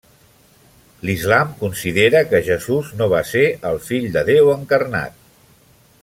L'islam considera que Jesús no va ser el Fill de Déu encarnat.